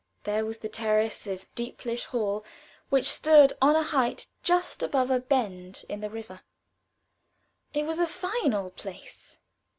There was the terrace of Deeplish Hall, which stood on a height just above a bend in the river. It was a fine old place.